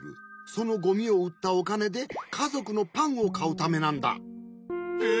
そのゴミをうったおかねでかぞくのパンをかうためなんだ。えっ！？